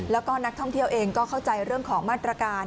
แล้วก็นักท่องเที่ยวเองก็เข้าใจเรื่องของมาตรการ